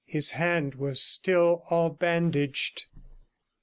His hand was still all bandaged.